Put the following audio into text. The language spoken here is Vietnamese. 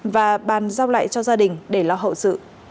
và bàn giao lại cho gia đình để lo hậu sự